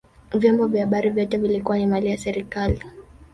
vyombo vya habari vyote vilikuwa ni mali ya serikali